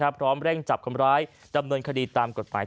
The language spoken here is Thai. พร้อมเร่งจับขำร้าย